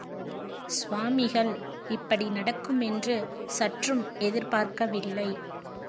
சுவாமிகள் இப்படி நடக்குமென்று சற்றும் எதிர்பார்க்க வில்லை.